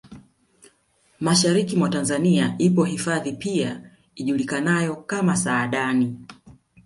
Mashariki mwa Tanzania ipo hifadhi pia ijulikanayo kama Saadani